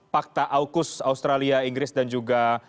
fakta aukus australia inggris dan juga